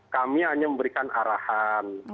kami hanya memberikan arahan